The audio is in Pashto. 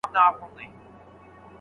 که استاد تشویق وکړي نو پرمختګ کېږي.